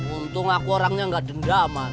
untung aku orangnya gak dendaman